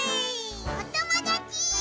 おともだち。